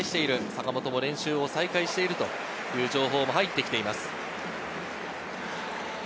坂本も練習を再開しているという情報が入ってきています。